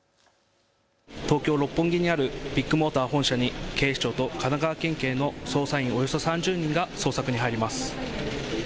東京六本木にあるビッグモーター本社に警視庁と神奈川県警の捜査員およそ３０人が捜索に入ります。